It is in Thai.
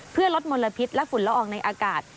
เพื่อลดมลพิษและฝุ่นละอองในอากาศ